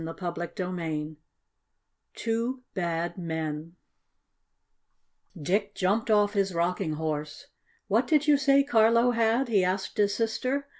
CHAPTER IX TWO BAD MEN Dick jumped off his Rocking Horse. "What did you say Carlo had?" he asked his sister.